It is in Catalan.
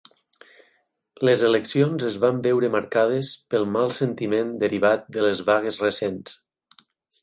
Les eleccions es van veure marcades pel mal sentiment derivat de les vagues recents.